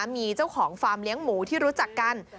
มีเจ้าของฟาร์มเลี้ยงหมูที่รู้จักกัน